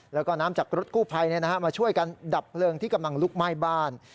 แล้วก็น้ำจากรถกู้ภัยมาช่วยกันดับเพลิงที่กำลังลุกไหม้บ้าน